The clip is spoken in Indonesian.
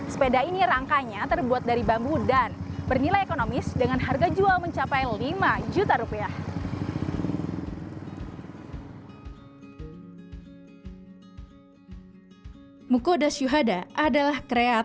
sepeda ini rangkanya terbuat dari bambu dan bernilai ekonomis dengan harga jual mencapai lima juta rupiah